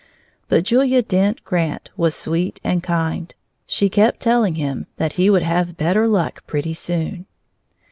But Julia Dent Grant was sweet and kind. She kept telling him that he would have better luck pretty soon.